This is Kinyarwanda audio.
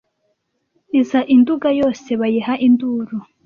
Iza i Nduga yose bayiha induru,